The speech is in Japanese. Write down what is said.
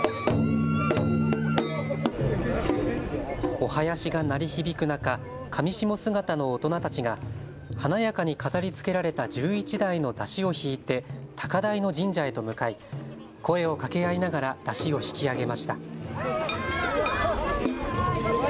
お囃子が鳴り響く中、かみしも姿の大人たちが華やかに飾りつけられた１１台の山車を引いて高台の神社へと向かい声をかけ合いながら山車を引き上げました。